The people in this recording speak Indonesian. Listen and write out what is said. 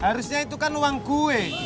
harusnya itu kan uang gue